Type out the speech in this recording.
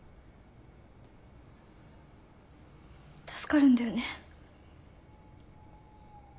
助かるんだよね？